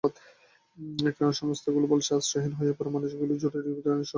ত্রাণ সংস্থাগুলো বলছে, আশ্রয়হীন হয়ে পড়া মানুষের জন্য জরুরি ত্রাণসহায়তা দরকার।